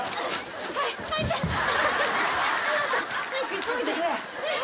急いで。